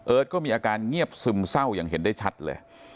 ก็มีอาการเงียบซึมเศร้าอย่างเห็นได้ชัดเลย